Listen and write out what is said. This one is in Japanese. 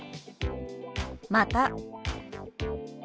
「また」。